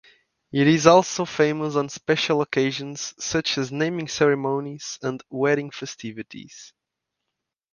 It is also famous on special occasions such as naming ceremonies and wedding festivities.